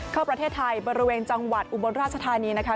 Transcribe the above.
เข้าประเทศไทยบริเวณจังหวัดอุบลราชธานีนะคะ